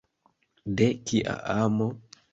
De kia amo?